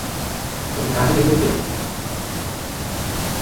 তবে কারা এগুলো ফেলে রেখে গেছে, তার কোনো সূত্র খোঁজে পায়নি তারা।